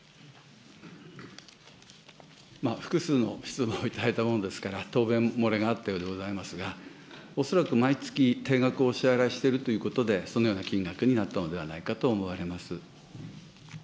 複数の質問をいただいたものですから、答弁漏れがあったようでございますが、恐らく毎月、定額をお支払いしているということで、そのような金額になったのではないかと思われます。